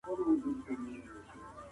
عرب بحیره او سیند